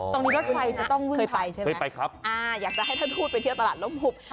ตรงนี้รถไฟจะต้องวึ่งไปอ่าอยากจะให้ท่านทูตไปเที่ยวตลาดร่มหุบ